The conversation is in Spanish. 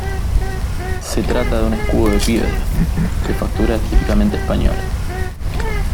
Se trata de un escudo de piedra, de factura típicamente española.